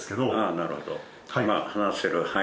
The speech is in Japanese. なるほど。